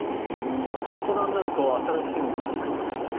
大人になると新しいものあまり行かないんです。